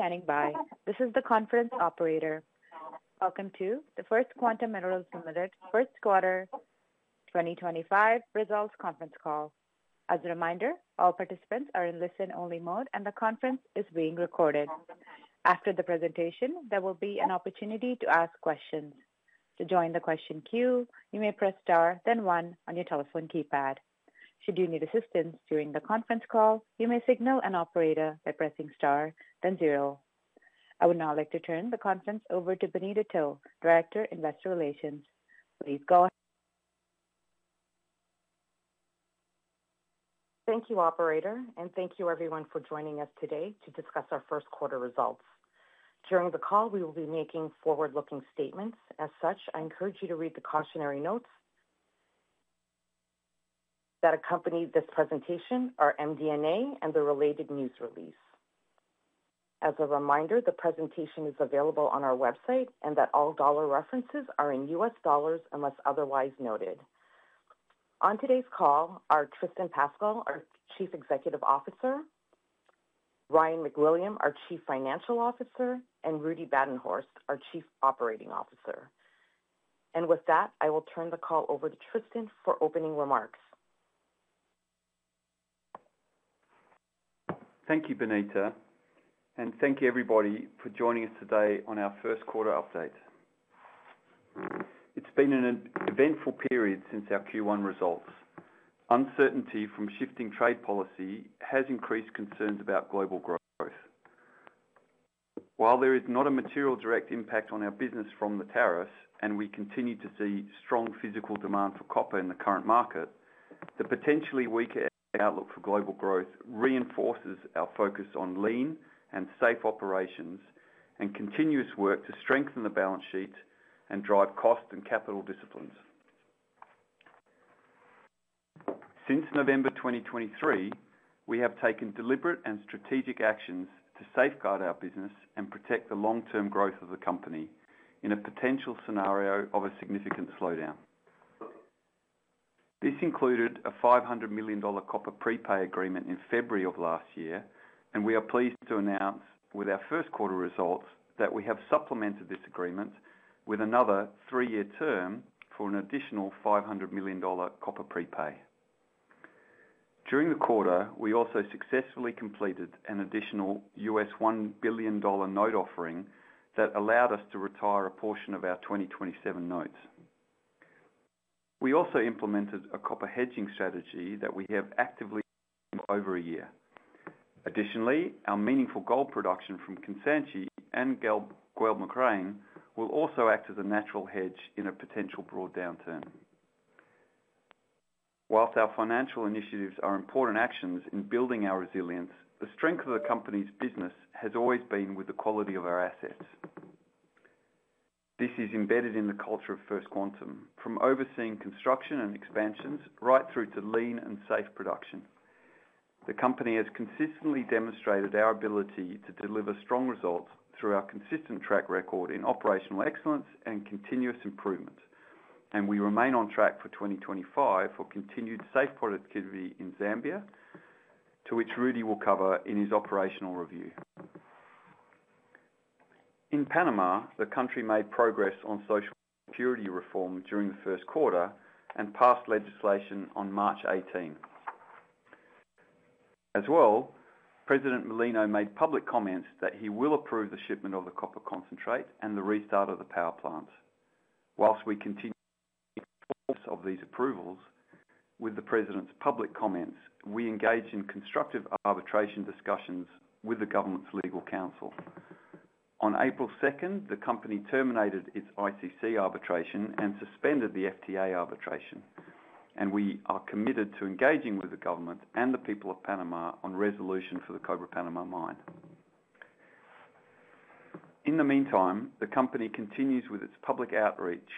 Thank you for standing by. This is the conference operator. Welcome to the First Quantum Minerals, first quarter 2025 results conference call. As a reminder, all participants are in listen-only mode, and the conference is being recorded. After the presentation, there will be an opportunity to ask questions. To join the question queue, you may press star, then one, on your telephone keypad. Should you need assistance during the conference call, you may signal an operator by pressing star, then zero. I would now like to turn the conference over to Bonita To, Director, Investor Relations. Please go ahead. Thank you, Operator, and thank you, everyone, for joining us today to discuss our first quarter results. During the call, we will be making forward-looking statements. As such, I encourage you to read the cautionary notes that accompany this presentation, our MD&A, and the related news release. As a reminder, the presentation is available on our website and that all dollar references are in US dollars unless otherwise noted. On today's call are Tristan Pascall, our Chief Executive Officer; Ryan MacWilliam, our Chief Financial Officer; and Rudi Badenhorst, our Chief Operating Officer. I will turn the call over to Tristan for opening remarks. Thank you, Bonita. Thank you, everybody, for joining us today on our first quarter update. It has been an eventful period since our Q1 results. Uncertainty from shifting trade policy has increased concerns about global growth. While there is not a material direct impact on our business from the tariffs, and we continue to see strong physical demand for copper in the current market, the potentially weaker outlook for global growth reinforces our focus on lean and safe operations and continuous work to strengthen the balance sheet and drive cost and capital disciplines. Since November 2023, we have taken deliberate and strategic actions to safeguard our business and protect the long-term growth of the company in a potential scenario of a significant slowdown. This included a $500 million copper prepay agreement in February of last year, and we are pleased to announce with our first quarter results that we have supplemented this agreement with another three-year term for an additional $500 million copper prepay. During the quarter, we also successfully completed an additional $1 billion note offering that allowed us to retire a portion of our 2027 notes. We also implemented a copper hedging strategy that we have actively over a year. Additionally, our meaningful gold production from Kansanshi and Guelb Moghrein will also act as a natural hedge in a potential broad downturn. Whilst our financial initiatives are important actions in building our resilience, the strength of the company's business has always been with the quality of our assets. This is embedded in the culture of First Quantum, from overseeing construction and expansions right through to lean and safe production. The company has consistently demonstrated our ability to deliver strong results through our consistent track record in operational excellence and continuous improvement, and we remain on track for 2025 for continued safe productivity in Zambia, to which Rudi will cover in his operational review. In Panama, the country made progress on social security reform during the first quarter and passed legislation on March 18. As well, President Mulino made public comments that he will approve the shipment of the copper concentrate and the restart of the power plant. Whilst we continue to follow these approvals with the president's public comments, we engage in constructive arbitration discussions with the government's legal counsel. On April 2, the company terminated its ICC arbitration and suspended the FTA arbitration, and we are committed to engaging with the government and the people of Panama on resolution for the Cobre Panamá mine. In the meantime, the company continues with its public outreach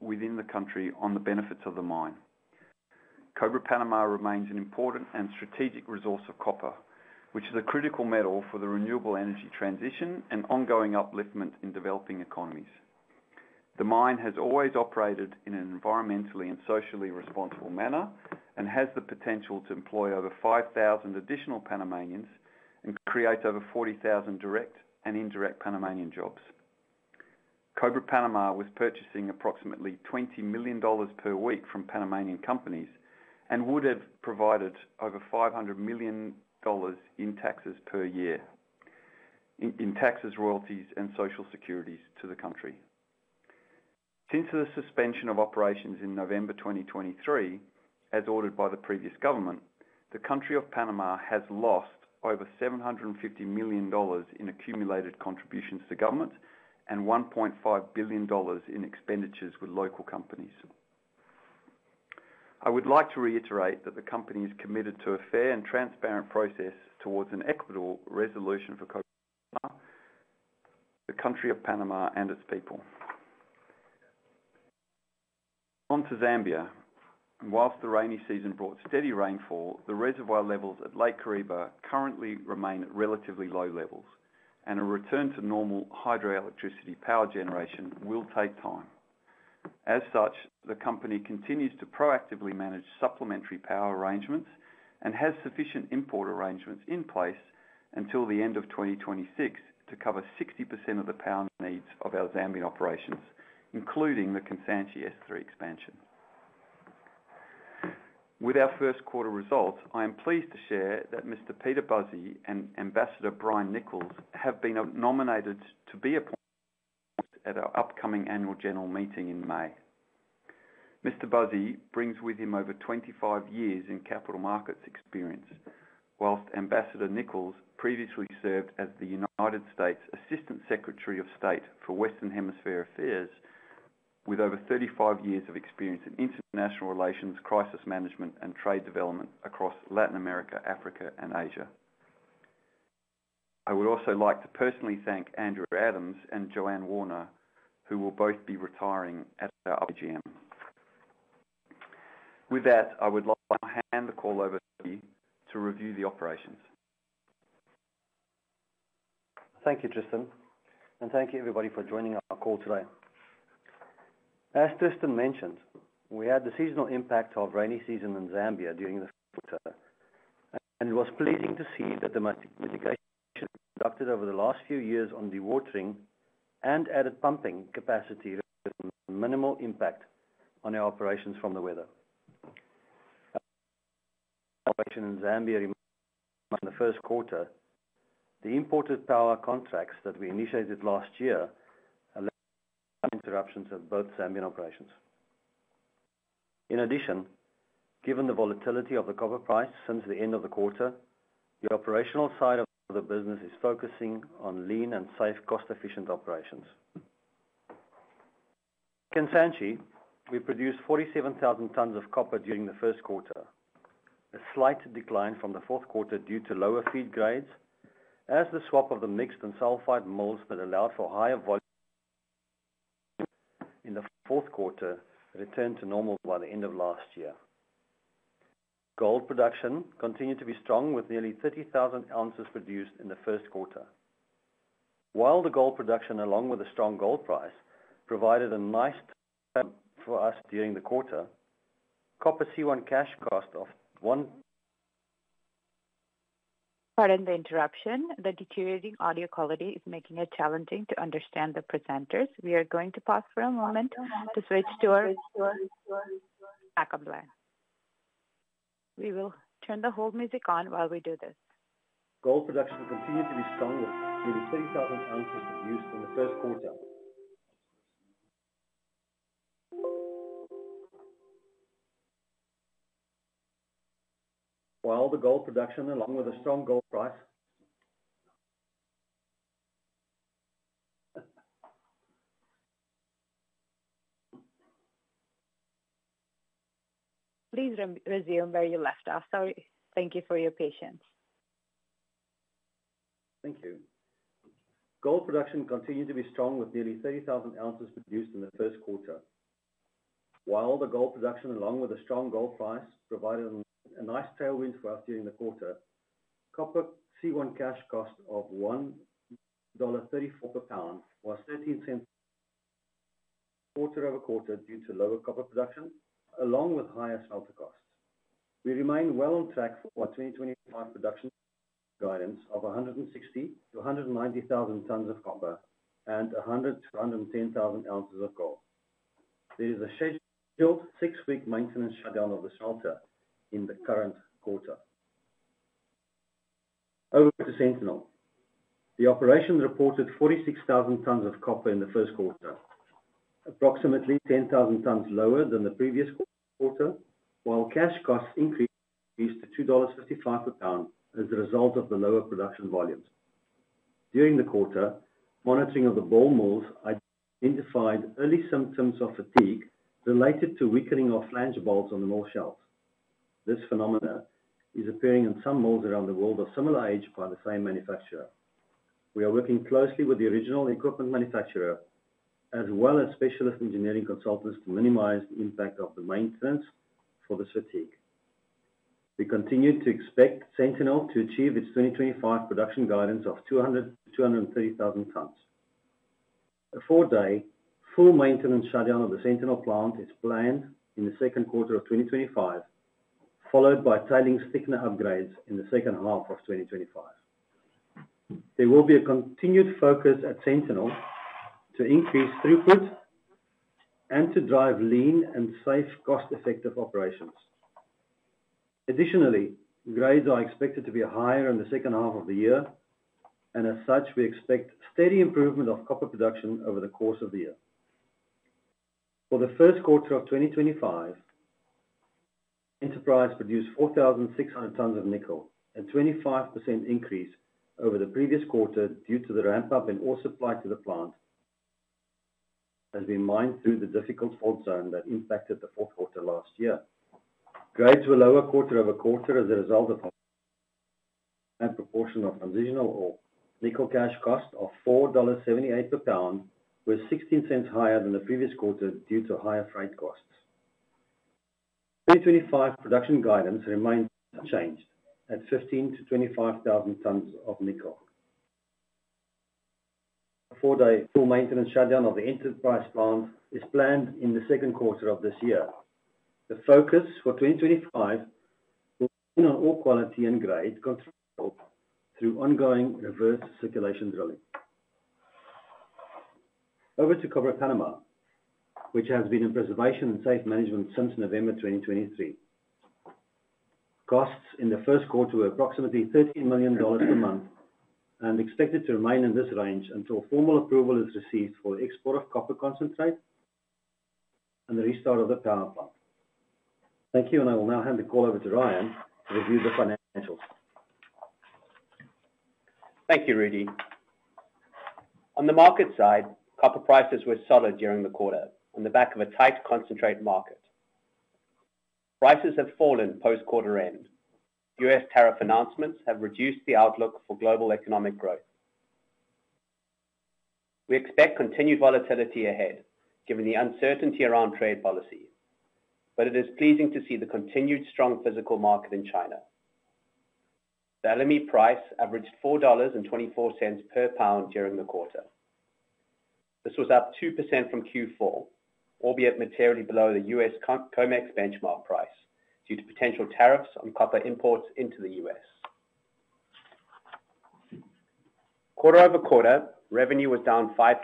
within the country on the benefits of the mine. Cobre Panamá remains an important and strategic resource of copper, which is a critical metal for the renewable energy transition and ongoing upliftment in developing economies. The mine has always operated in an environmentally and socially responsible manner and has the potential to employ over 5,000 additional Panamanians and create over 40,000 direct and indirect Panamanian jobs. Cobre Panamá was purchasing approximately $20 million per week from Panamanian companies and would have provided over $500 million in taxes per year, in taxes, royalties, and social securities to the country. Since the suspension of operations in November 2023, as ordered by the previous government, the country of Panama has lost over $750 million in accumulated contributions to government and $1.5 billion in expenditures with local companies. I would like to reiterate that the company is committed to a fair and transparent process towards an equitable resolution for the country of Panama and its people. On to Zambia. Whilst the rainy season brought steady rainfall, the reservoir levels at Lake Kariba currently remain at relatively low levels, and a return to normal hydroelectricity power generation will take time. As such, the company continues to proactively manage supplementary power arrangements and has sufficient import arrangements in place until the end of 2026 to cover 60% of the power needs of our Zambian operations, including the Kansanshi S3 expansion. With our first quarter results, I am pleased to share that Mr. Peter Buzzi and Ambassador Brian Nichols have been nominated to be appointed at our upcoming annual general meeting in May. Mr. Buzzi brings with him over 25 years in capital markets experience, whilst Ambassador Nichols previously served as the United States Assistant Secretary of State for Western Hemisphere Affairs, with over 35 years of experience in international relations, crisis management, and trade development across Latin America, Africa, and Asia. I would also like to personally thank Andrew Adams and Joanne Warner, who will both be retiring at our AGM. With that, I would like to hand the call over to Rudi to review the operations. Thank you, Tristan, and thank you, everybody, for joining our call today. As Tristan mentioned, we had the seasonal impact of rainy season in Zambia during the first quarter, and it was pleasing to see that the mitigation conducted over the last few years on dewatering and added pumping capacity resulted in minimal impact on our operations from the weather. Operations in Zambia remained the first quarter. The imported power contracts that we initiated last year allowed interruptions of both Zambian operations. In addition, given the volatility of the copper price since the end of the quarter, the operational side of the business is focusing on lean and safe, cost-efficient operations. At Kansanshi, we produced 47,000 tons of copper during the first quarter, a slight decline from the fourth quarter due to lower feed grades, as the swap of the mixed and sulphide mills that allowed for higher volume in the fourth quarter returned to normal by the end of last year. Gold production continued to be strong, with nearly 30,000 ounces produced in the first quarter. While the gold production, along with a strong gold price, provided a nice time for us during the quarter, copper C1 cash cost of. Pardon the interruption. The deteriorating audio quality is making it challenging to understand the presenters. We are going to pause for a moment to switch to our backup line. We will turn the hold music on while we do this. Gold production continued to be strong, with nearly 30,000 ounces produced in the first quarter. While the gold production, along with a strong gold price. Please resume where you left off. Sorry. Thank you for your patience. Thank you. Gold production continued to be strong, with nearly 30,000 ounces produced in the first quarter. While the gold production, along with a strong gold price, provided a nice tailwind for us during the quarter, copper C1 cash cost of $1.34 per pound was 13 cents quarter over quarter due to lower copper production, along with higher smelter costs. We remain well on track for 2025 production guidance of 160,000-190,000 tons of copper and 100,000-110,000 ounces of gold. There is a scheduled six-week maintenance shutdown of the smelter in the current quarter. Over to Sentinel. The operation reported 46,000 tons of copper in the first quarter, approximately 10,000 tons lower than the previous quarter, while cash costs increased to $2.55 per pound as a result of the lower production volumes. During the quarter, monitoring of the ball mills identified early symptoms of fatigue related to weakening of flange bolts on the North Shelf. This phenomenon is appearing in some mills around the world of similar age by the same manufacturer. We are working closely with the original equipment manufacturer, as well as specialist engineering consultants, to minimize the impact of the maintenance for this fatigue. We continue to expect Sentinel to achieve its 2025 production guidance of 200,000-230,000 tons. A four-day full maintenance shutdown of the Sentinel plant is planned in the second quarter of 2025, followed by tailings thickener upgrades in the second half of 2025. There will be a continued focus at Sentinel to increase throughput and to drive lean and safe, cost-effective operations. Additionally, grades are expected to be higher in the second half of the year, and as such, we expect steady improvement of copper production over the course of the year. For the first quarter of 2025, Enterprise produced 4,600 tons of nickel, a 25% increase over the previous quarter due to the ramp-up in ore supply to the plant as we mined through the difficult fault zone that impacted the fourth quarter last year. Grades were lower quarter over quarter as a result of a proportion of transitional ore. Nickel cash cost of $4.78 per pound was $0.16 higher than the previous quarter due to higher freight costs. 2025 production guidance remains unchanged at 15,000-25,000 tons of nickel. A four-day full maintenance shutdown of the Enterprise plant is planned in the second quarter of this year. The focus for 2025 will be on ore quality and grade, controlled through ongoing reverse circulation drilling. Over to Cobre Panamá, which has been in preservation and safe management since November 2023. Costs in the first quarter were approximately $13 million per month and expected to remain in this range until formal approval is received for export of copper concentrate and the restart of the power plant. Thank you, and I will now hand the call over to Ryan to review the financials. Thank you, Rudi. On the market side, copper prices were solid during the quarter on the back of a tight concentrate market. Prices have fallen post-quarter end. U.S. tariff announcements have reduced the outlook for global economic growth. We expect continued volatility ahead given the uncertainty around trade policy, but it is pleasing to see the continued strong physical market in China. The LME price averaged $4.24 per pound during the quarter. This was up 2% from Q4, albeit materially below the U.S. COMEX benchmark price due to potential tariffs on copper imports into the U.S. Quarter over quarter, revenue was down 5%,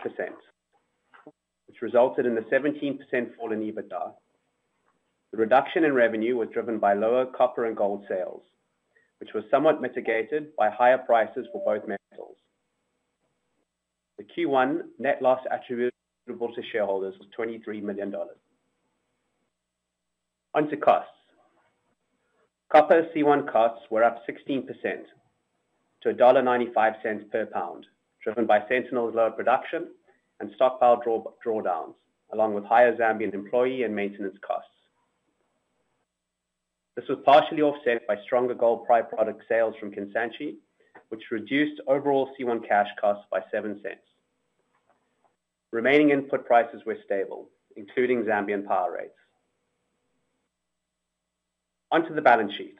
which resulted in a 17% fall in EBITDA. The reduction in revenue was driven by lower copper and gold sales, which was somewhat mitigated by higher prices for both metals. The Q1 net loss attributable to shareholders was $23 million. Onto costs. Copper C1 costs were up 16% to $1.95 per pound, driven by Sentinel's low production and stockpile drawdowns, along with higher Zambian employee and maintenance costs. This was partially offset by stronger gold-priced product sales from Kansanshi, which reduced overall C1 cash costs by $0.07. Remaining input prices were stable, including Zambian power rates. Onto the balance sheet,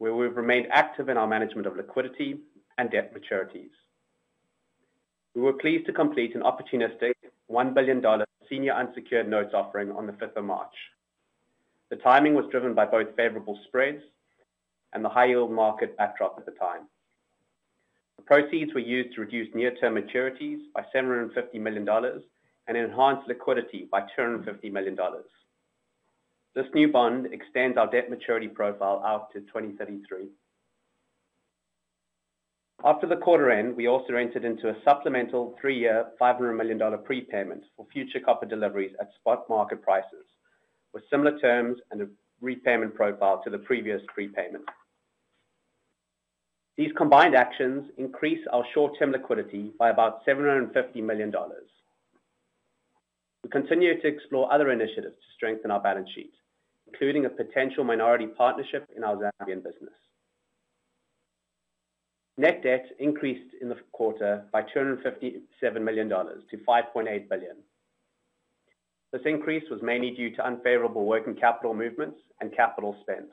where we've remained active in our management of liquidity and debt maturities. We were pleased to complete an opportunistic $1 billion senior unsecured notes offering on the 5th of March. The timing was driven by both favorable spreads and the high-yield market backdrop at the time. The proceeds were used to reduce near-term maturities by $750 million and enhance liquidity by $250 million. This new bond extends our debt maturity profile out to 2033. After the quarter end, we also entered into a supplemental three-year $500 million prepayment for future copper deliveries at spot market prices with similar terms and a repayment profile to the previous prepayment. These combined actions increase our short-term liquidity by about $750 million. We continue to explore other initiatives to strengthen our balance sheet, including a potential minority partnership in our Zambian business. Net debt increased in the quarter by $257 million to $5.8 billion. This increase was mainly due to unfavorable working capital movements and capital spend.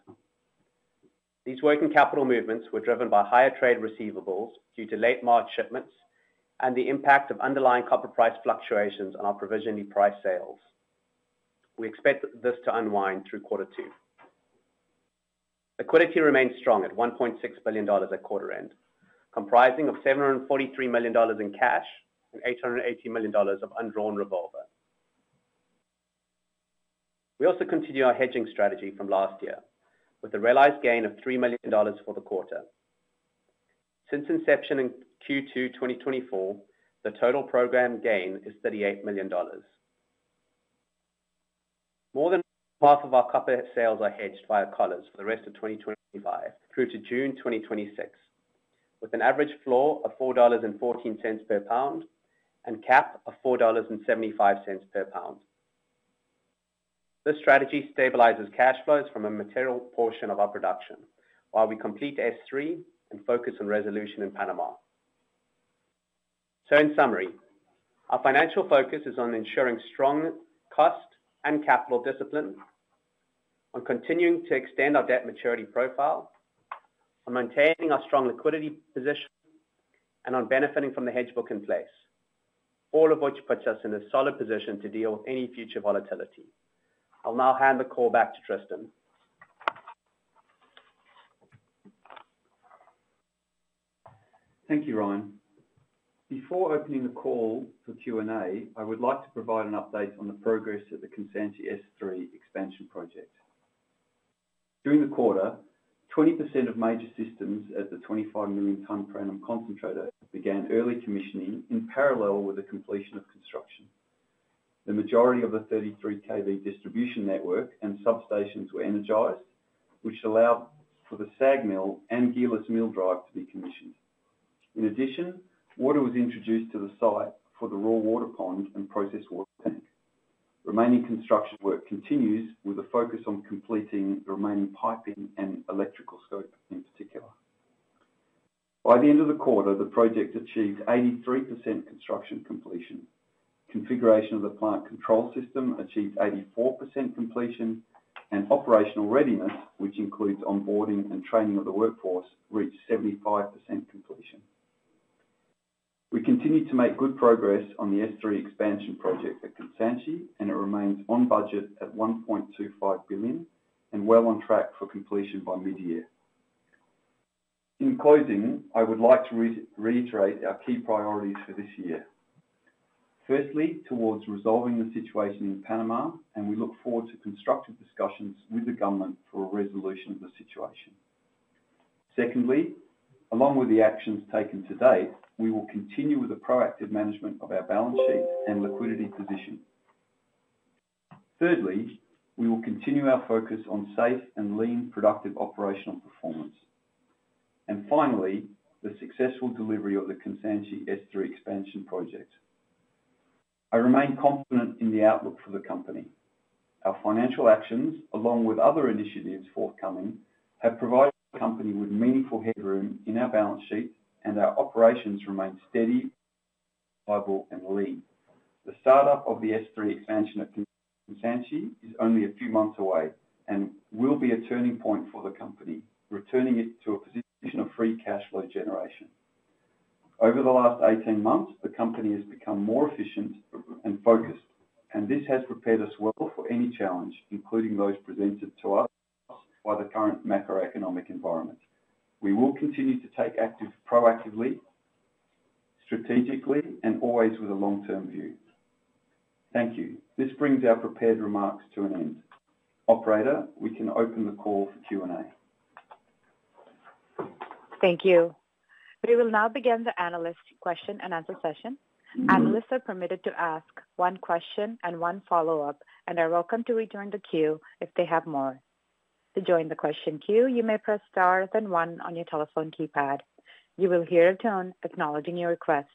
These working capital movements were driven by higher trade receivables due to late March shipments and the impact of underlying copper price fluctuations on our provisionally priced sales. We expect this to unwind through quarter two. Liquidity remained strong at $1.6 billion at quarter end, comprising of $743 million in cash and $880 million of undrawn revolver. We also continue our hedging strategy from last year, with a realized gain of $3 million for the quarter. Since inception in Q2 2024, the total program gain is $38 million. More than half of our copper sales are hedged via collars for the rest of 2025 through to June 2026, with an average floor of $4.14 per pound and cap of $4.75 per pound. This strategy stabilizes cash flows from a material portion of our production while we complete S3 and focus on resolution in Panama. In summary, our financial focus is on ensuring strong cost and capital discipline, on continuing to extend our debt maturity profile, on maintaining our strong liquidity position, and on benefiting from the hedge book in place, all of which puts us in a solid position to deal with any future volatility. I'll now hand the call back to Tristan. Thank you, Ryan. Before opening the call for Q&A, I would like to provide an update on the progress of the Kansanshi S3 expansion project. During the quarter, 20% of major systems at the 25 million tonne per annum concentrator began early commissioning in parallel with the completion of construction. The majority of the 33 kV distribution network and substations were energized, which allowed for the SAG mill and gearless mill drive to be commissioned. In addition, water was introduced to the site for the raw water pond and process water tank. Remaining construction work continues with a focus on completing the remaining piping and electrical scope in particular. By the end of the quarter, the project achieved 83% construction completion. Configuration of the plant control system achieved 84% completion, and operational readiness, which includes onboarding and training of the workforce, reached 75% completion. We continue to make good progress on the S3 expansion project at Kansanshi, and it remains on budget at $1.25 billion and well on track for completion by mid-year. In closing, I would like to reiterate our key priorities for this year. Firstly, towards resolving the situation in Panama, and we look forward to constructive discussions with the government for a resolution of the situation. Secondly, along with the actions taken to date, we will continue with the proactive management of our balance sheet and liquidity position. Thirdly, we will continue our focus on safe and lean productive operational performance. Finally, the successful delivery of the Kansanshi S3 expansion project. I remain confident in the outlook for the company. Our financial actions, along with other initiatives forthcoming, have provided the company with meaningful headroom in our balance sheet, and our operations remain steady, viable, and lean. The startup of the S3 expansion at Kansanshi is only a few months away and will be a turning point for the company, returning it to a position of free cash flow generation. Over the last 18 months, the company has become more efficient and focused, and this has prepared us well for any challenge, including those presented to us by the current macroeconomic environment. We will continue to take action proactively, strategically, and always with a long-term view. Thank you. This brings our prepared remarks to an end. Operator, we can open the call for Q&A. Thank you. We will now begin the analyst question and answer session. Analysts are permitted to ask one question and one follow-up, and are welcome to rejoin the queue if they have more. To join the question queue, you may press star then one on your telephone keypad. You will hear a tone acknowledging your request.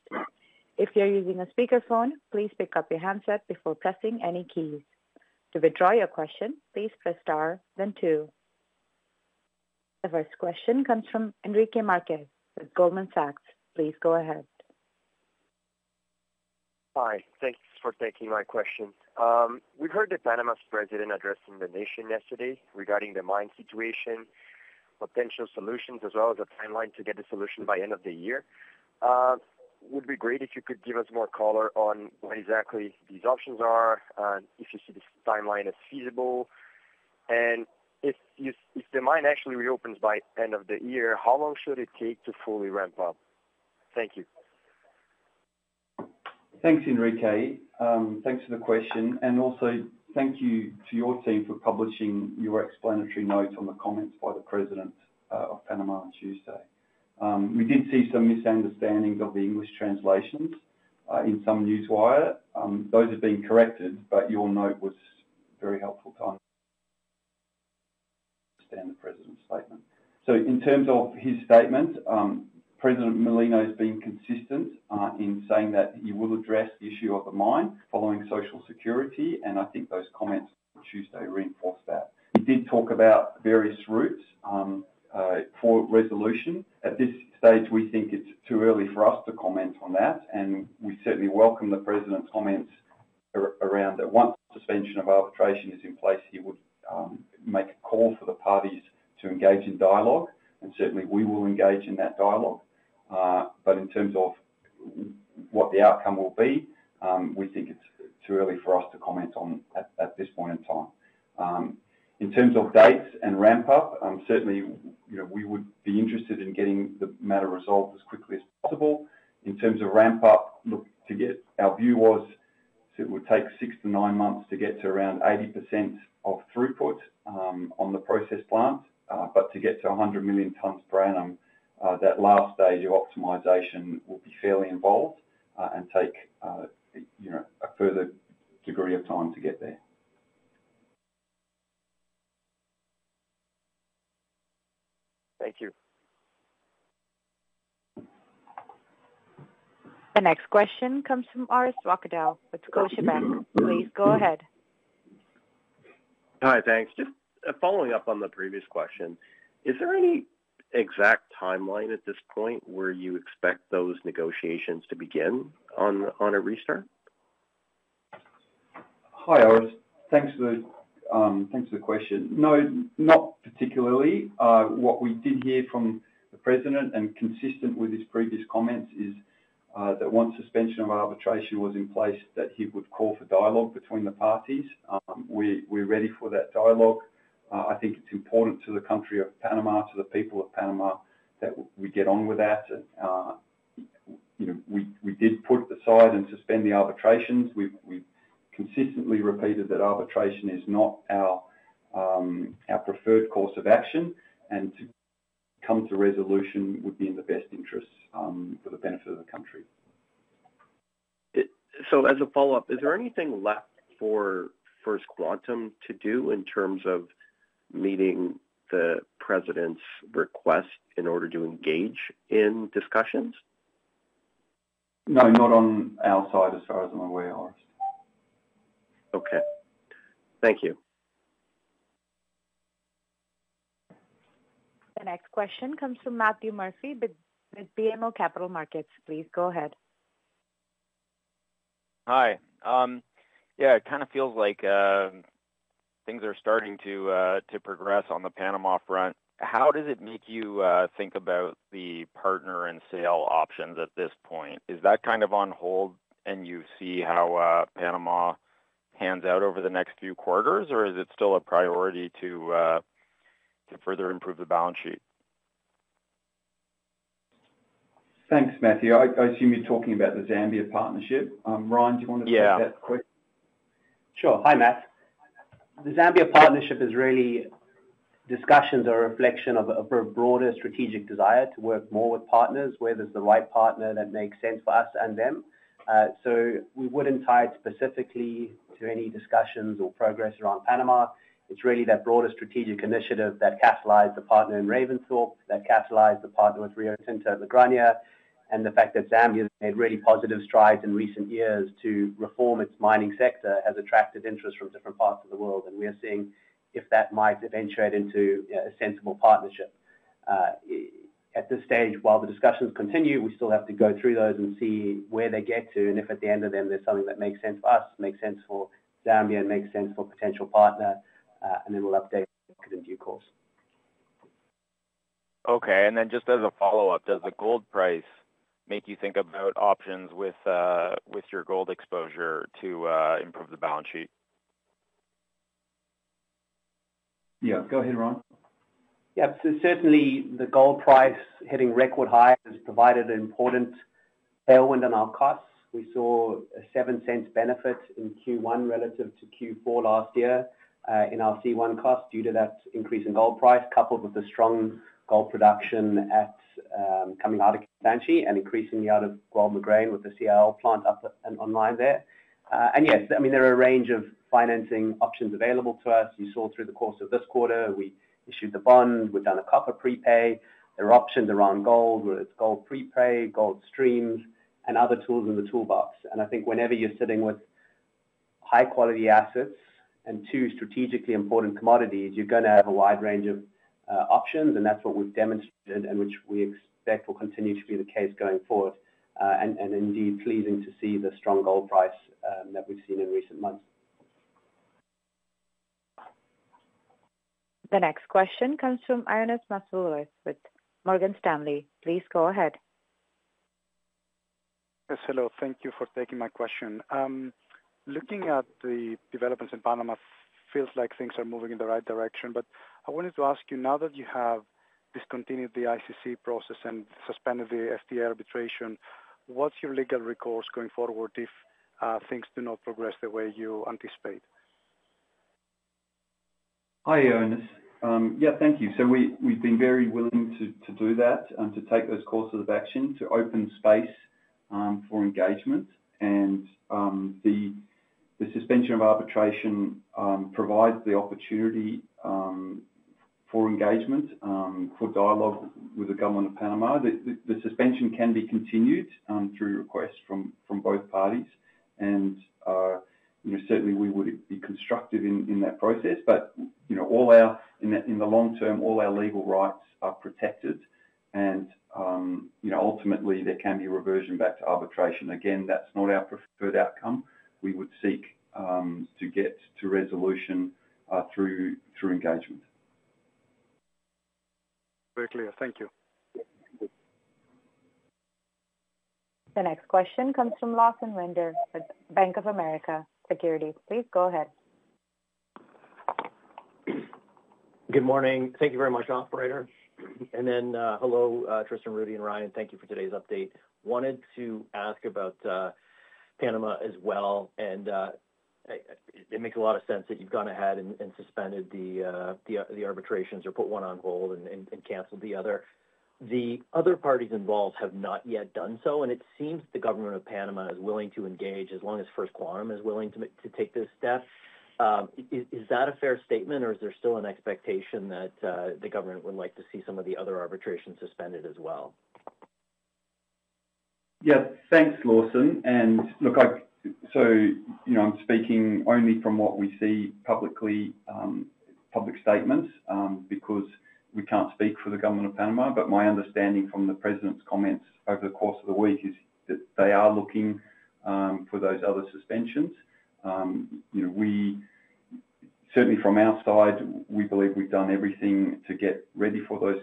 If you're using a speakerphone, please pick up your handset before pressing any keys. To withdraw your question, please press star then two. The first question comes from Henrique Marques with Goldman Sachs. Please go ahead. Hi. Thanks for taking my question. We heard the Panama's president addressing the nation yesterday regarding the mine situation, potential solutions, as well as a timeline to get a solution by end of the year. It would be great if you could give us more color on what exactly these options are and if you see this timeline as feasible. If the mine actually reopens by end of the year, how long should it take to fully ramp up? Thank you. Thanks, Henrique. Thanks for the question. Also, thank you to your team for publishing your explanatory notes on the comments by the president of Panama on Tuesday. We did see some misunderstandings of the English translations in some newswire. Those have been corrected, but your note was very helpful to understand the president's statement. In terms of his statement, President José Raúl Mulino has been consistent in saying that he will address the issue of the mine following Social Security, and I think those comments on Tuesday reinforced that. He did talk about various routes for resolution. At this stage, we think it is too early for us to comment on that, and we certainly welcome the president's comments around that. Once the suspension of arbitration is in place, he would make a call for the parties to engage in dialogue, and certainly, we will engage in that dialogue. In terms of what the outcome will be, we think it's too early for us to comment on at this point in time. In terms of dates and ramp-up, certainly, we would be interested in getting the matter resolved as quickly as possible. In terms of ramp-up, our view was it would take six to nine months to get to around 80% of throughput on the process plants, but to get to 100 million tons per annum, that last stage of optimization will be fairly involved and take a further degree of time to get there. Thank you. The next question comes from Orest Wowkodaw with Scotiabank. Please go ahead. Hi, thanks. Just following up on the previous question, is there any exact timeline at this point where you expect those negotiations to begin on a restart? Hi, Orest. Thanks for the question. No, not particularly. What we did hear from the president, and consistent with his previous comments, is that once suspension of arbitration was in place, that he would call for dialogue between the parties. We're ready for that dialogue. I think it's important to the country of Panama, to the people of Panama, that we get on with that. We did put aside and suspend the arbitrations. We've consistently repeated that arbitration is not our preferred course of action, and to come to resolution would be in the best interest for the benefit of the country. As a follow-up, is there anything left for First Quantum to do in terms of meeting the president's request in order to engage in discussions? No, not on our side as far as I'm aware, Orest. Okay. Thank you. The next question comes from Matthew Murphy with BMO Capital Markets. Please go ahead. Hi. Yeah, it kind of feels like things are starting to progress on the Panama front. How does it make you think about the partner and sale options at this point? Is that kind of on hold, and you see how Panama hands out over the next few quarters, or is it still a priority to further improve the balance sheet? Thanks, Matthew. I assume you're talking about the Zambia partnership. Ryan, do you want to take that question? Sure. Hi, Matt. The Zambia partnership is really discussions or a reflection of a broader strategic desire to work more with partners, where there's the right partner that makes sense for us and them. We wouldn't tie it specifically to any discussions or progress around Panama. It's really that broader strategic initiative that catalyzed the partner in Ravensthorpe, that catalyzed the partner with Rio Tinto La Granja, and the fact that Zambia has made really positive strides in recent years to reform its mining sector has attracted interest from different parts of the world. We are seeing if that might eventuate into a sensible partnership. At this stage, while the discussions continue, we still have to go through those and see where they get to, and if at the end of them, there's something that makes sense for us, makes sense for Zambia, and makes sense for a potential partner, and then we'll update in due course. Okay. And then just as a follow-up, does the gold price make you think about options with your gold exposure to improve the balance sheet? Yeah, go ahead, Ryan. Yep. Certainly, the gold price hitting record highs has provided an important tailwind on our costs. We saw a $0.07 benefit in Q1 relative to Q4 last year in our C1 costs due to that increase in gold price, coupled with the strong gold production coming out of Kansanshi and increasing the out of Guelb Moghrein with the CIL plant online there. Yes, I mean, there are a range of financing options available to us. You saw through the course of this quarter, we issued the bond, we've done a copper prepay. There are options around gold, whether it's gold prepay, gold streams, and other tools in the toolbox. I think whenever you're sitting with high-quality assets and two strategically important commodities, you're going to have a wide range of options, and that's what we've demonstrated and which we expect will continue to be the case going forward and indeed pleasing to see the strong gold price that we've seen in recent months. The next question comes from Ioannis Masvoulas with Morgan Stanley. Please go ahead. Yes, hello. Thank you for taking my question. Looking at the developments in Panama, it feels like things are moving in the right direction, but I wanted to ask you, now that you have discontinued the ICC process and suspended the FTA arbitration, what's your legal recourse going forward if things do not progress the way you anticipate? Hi, Ioannis. Yeah, thank you. We have been very willing to do that and to take those courses of action to open space for engagement. The suspension of arbitration provides the opportunity for engagement, for dialogue with the government of Panama. The suspension can be continued through requests from both parties, and certainly, we would be constructive in that process. In the long term, all our legal rights are protected, and ultimately, there can be reversion back to arbitration. Again, that's not our preferred outcome. We would seek to get to resolution through engagement. Very clear. Thank you. The next question comes from Lawson Winder, Bank of America Securities. Please go ahead. Good morning. Thank you very much, Operator. Hello, Tristan, Rudi, and Ryan. Thank you for today's update. Wanted to ask about Panama as well, and it makes a lot of sense that you've gone ahead and suspended the arbitrations or put one on hold and canceled the other. The other parties involved have not yet done so, and it seems the government of Panama is willing to engage as long as First Quantum is willing to take this step. Is that a fair statement, or is there still an expectation that the government would like to see some of the other arbitrations suspended as well? Yeah, thanks, Lawson. Look, I'm speaking only from what we see in public statements because we can't speak for the government of Panama, but my understanding from the president's comments over the course of the week is that they are looking for those other suspensions. Certainly, from our side, we believe we've done everything to get ready for those,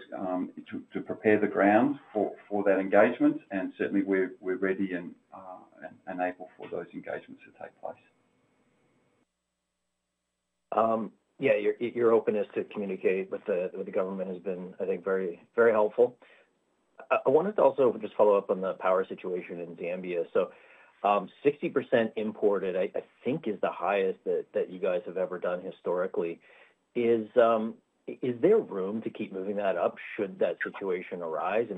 to prepare the ground for that engagement, and certainly, we're ready and able for those engagements to take place. Yeah, your openness to communicate with the government has been, I think, very helpful. I wanted to also just follow up on the power situation in Zambia. Sixty percent imported, I think, is the highest that you guys have ever done historically. Is there room to keep moving that up should that situation arise?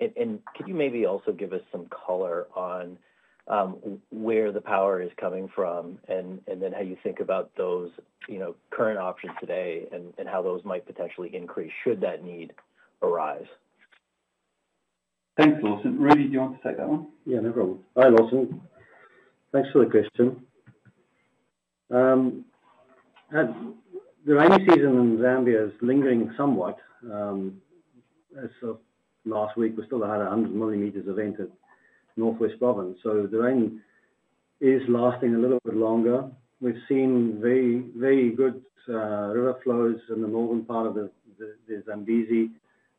Could you maybe also give us some color on where the power is coming from and then how you think about those current options today and how those might potentially increase should that need arise? Thanks, Lawson. Rudi, do you want to take that one? Yeah, no problem. Hi, Lawson. Thanks for the question. The rainy season in Zambia is lingering somewhat. Last week, we still had 100 mm of rain to Northwest Province. The rain is lasting a little bit longer. We've seen very good river flows in the northern part of the Zambezi.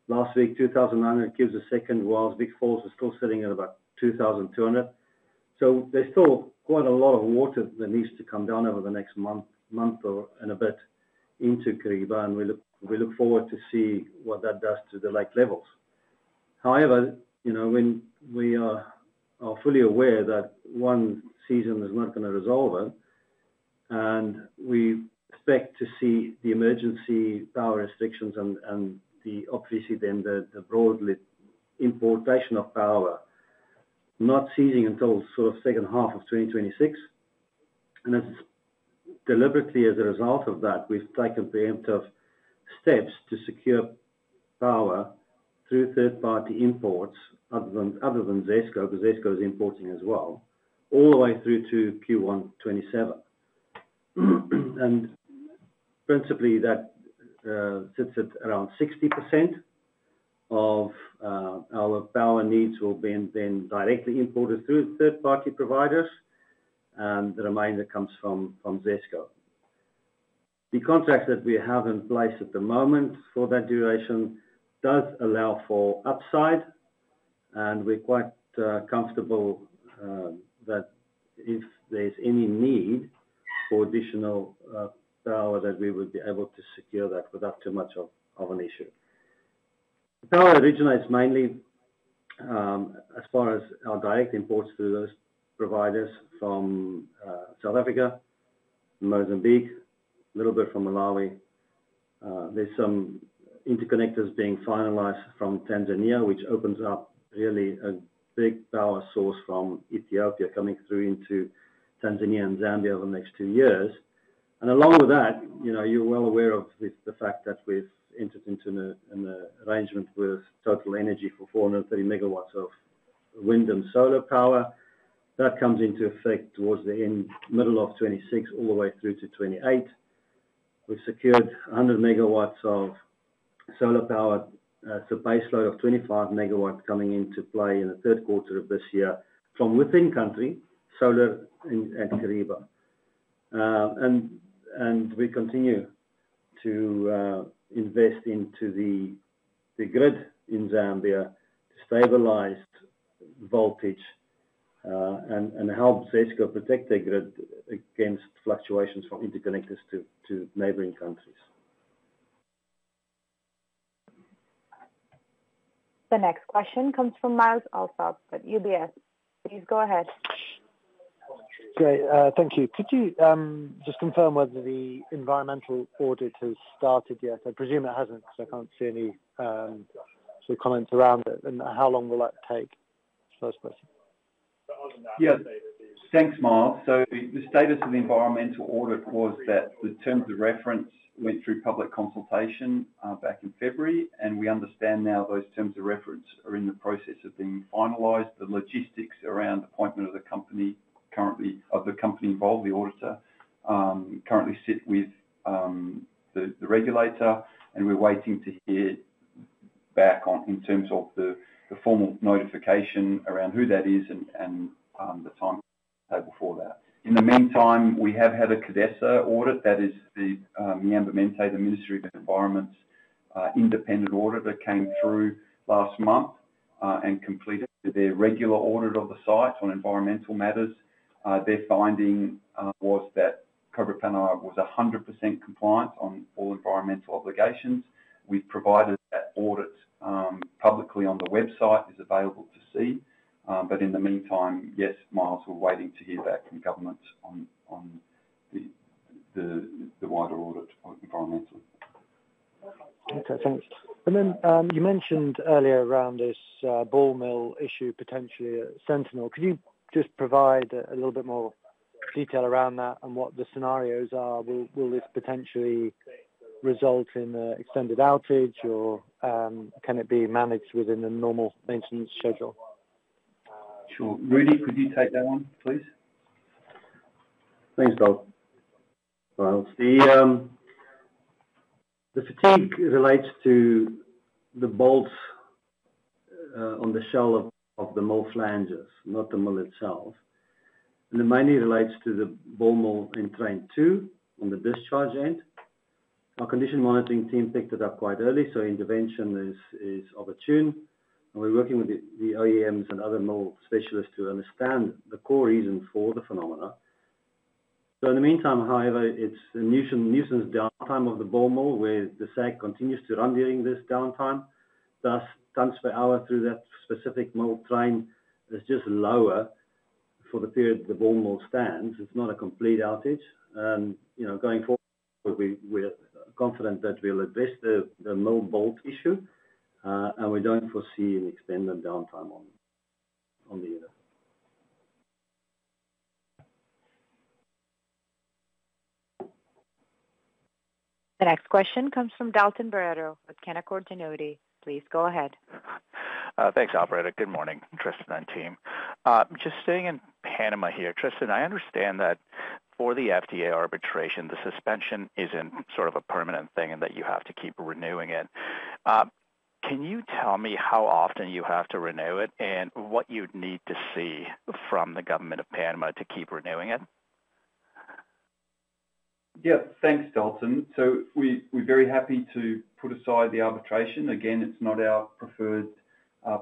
Last week, 2,900 cubic meters a second, while the big falls are still sitting at about 2,200. There is still quite a lot of water that needs to come down over the next month or a bit into Kariba, and we look forward to see what that does to the lake levels. However, we are fully aware that one season is not going to resolve it, and we expect to see the emergency power restrictions and obviously then the broadly importation of power not ceasing until sort of the second half of 2026. Deliberately, as a result of that, we have taken preemptive steps to secure power through third-party imports other than ZESCO because ZESCO is importing as well, all the way through to Q1 2027. Principally, that sits at around 60% of our power needs will be then directly imported through third-party providers, and the remainder comes from ZESCO. The contract that we have in place at the moment for that duration does allow for upside, and we are quite comfortable that if there is any need for additional power, we would be able to secure that without too much of an issue. The power originates mainly, as far as our direct imports through those providers, from South Africa, Mozambique, a little bit from Malawi. are some interconnectors being finalized from Tanzania, which opens up really a big power source from Ethiopia coming through into Tanzania and Zambia over the next two years. Along with that, you're well aware of the fact that we've entered into an arrangement with TotalEnergies for 430 MW of wind and solar power. That comes into effect towards the middle of 2026, all the way through to 2028. We've secured 100 MW of solar power, so a base load of 25 MW coming into play in the third quarter of this year from within country, solar and Kariba. We continue to invest into the grid in Zambia to stabilize voltage and help ZESCO protect their grid against fluctuations from interconnectors to neighboring countries. The next question comes from Myles Allsop at UBS. Please go ahead. Great. Thank you. Could you just confirm whether the environmental audit has started yet? I presume it has not because I cannot see any comments around it. How long will that take? First question. Yes. Thanks, Myles. The status of the environmental audit was that the terms of reference went through public consultation back in February, and we understand now those terms of reference are in the process of being finalized. The logistics around appointment of the company currently involved, the auditor, currently sit with the regulator, and we're waiting to hear back in terms of the formal notification around who that is and the timetable for that. In the meantime, we have had a CODESA audit. That is the MiAMBIENTE, the Ministry of Environment's independent auditor, came through last month and completed their regular audit of the site on environmental matters. Their finding was that Cobre Panamá was 100% compliant on all environmental obligations. We've provided that audit publicly on the website. It's available to see. In the meantime, yes, Miles, we're waiting to hear back from government on the wider audit environmentally. Okay. Thanks. You mentioned earlier around this ball mill issue, potentially at Sentinel. Could you just provide a little bit more detail around that and what the scenarios are? Will this potentially result in an extended outage, or can it be managed within a normal maintenance schedule? Sure. Rudi, could you take that one, please? Thanks, Myles. The fatigue relates to the bolts on the shell of the mill flanges, not the mill itself. The mining relates to the ball mill in Train 2 on the discharge end. Our condition monitoring team picked it up quite early, so intervention is opportune. We are working with the OEMs and other mill specialists to understand the core reason for the phenomena. In the meantime, however, it is a nuisance downtime of the ball mill where the SAG continues to run during this downtime. Thus, tons per hour through that specific mill train is just lower for the period the ball mill stands. It is not a complete outage. Going forward, we are confident that we will address the mill bolt issue, and we do not foresee an extended downtime on the unit. The next question comes from Dalton Barretto at Canaccord Genuity. Please go ahead. Thanks, Operator. Good morning, Tristan and team. Just staying in Panama here. Tristan, I understand that for the FTA arbitration, the suspension isn't sort of a permanent thing and that you have to keep renewing it. Can you tell me how often you have to renew it and what you'd need to see from the government of Panama to keep renewing it? Yeah. Thanks, Dalton. We are very happy to put aside the arbitration. Again, it is not our preferred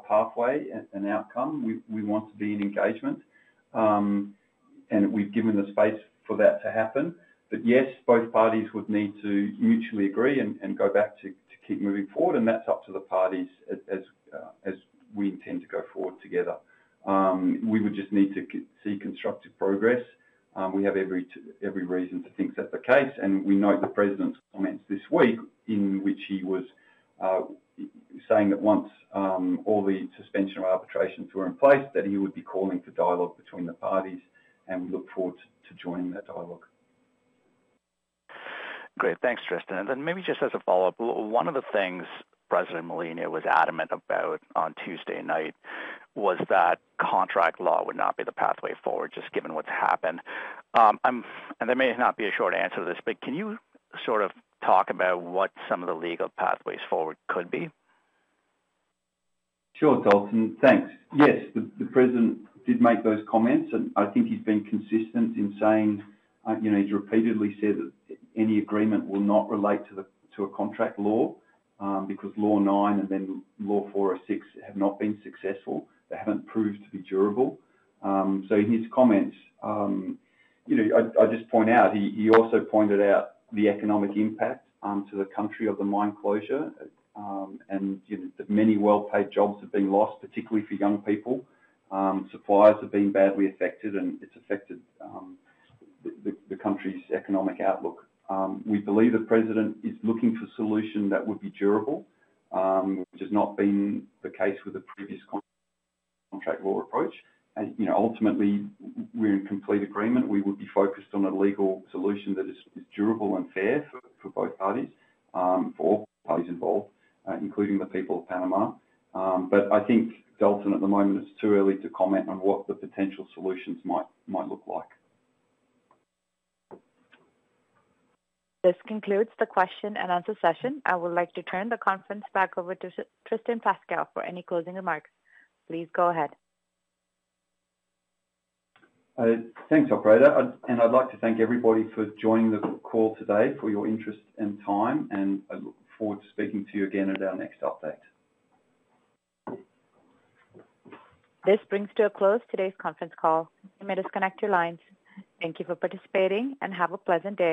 pathway and outcome. We want to be in engagement, and we have given the space for that to happen. Yes, both parties would need to mutually agree and go back to keep moving forward, and that is up to the parties as we intend to go forward together. We would just need to see constructive progress. We have every reason to think that is the case, and we note the president's comments this week in which he was saying that once all the suspension arbitrations were in place, he would be calling for dialogue between the parties, and we look forward to joining that dialogue. Great. Thanks, Tristan. Maybe just as a follow-up, one of the things President Mulino was adamant about on Tuesday night was that contract law would not be the pathway forward just given what's happened. There may not be a short answer to this, but can you sort of talk about what some of the legal pathways forward could be? Sure, Dalton. Thanks. Yes, the president did make those comments, and I think he's been consistent in saying he's repeatedly said that any agreement will not relate to a contract law because Law 9 and then Law 406 have not been successful. They haven't proved to be durable. In his comments, I'll just point out he also pointed out the economic impact to the country of the mine closure and the many well-paid jobs have been lost, particularly for young people. Suppliers have been badly affected, and it's affected the country's economic outlook. We believe the president is looking for a solution that would be durable, which has not been the case with the previous contract law approach. Ultimately, we're in complete agreement. We would be focused on a legal solution that is durable and fair for both parties, for all parties involved, including the people of Panama. I think, Dalton, at the moment, it's too early to comment on what the potential solutions might look like. This concludes the question and answer session. I would like to turn the conference back over to Tristan Pascall for any closing remarks. Please go ahead. you, Operator. I would like to thank everybody for joining the call today for your interest and time, and I look forward to speaking to you again at our next update. This brings to a close today's conference call. You may disconnect your lines. Thank you for participating, and have a pleasant day.